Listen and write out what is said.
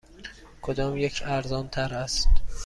کدامیک ارزان تر است؟